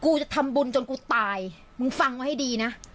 กูจะทำบุญจนกูตายมึงฟังไว้ให้ดีนะ